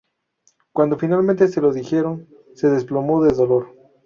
Cuando finalmente se lo dijeron, se desplomó de dolor.